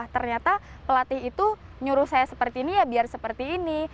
ternyata pelatih itu nyuruh saya seperti ini ya biar seperti ini